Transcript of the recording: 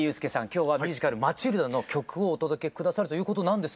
今日はミュージカル「マチルダ」の曲をお届け下さるということなんですけども。